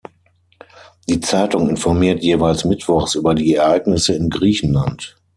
Die Zeitung informiert jeweils mittwochs über die Ereignisse in Griechenland.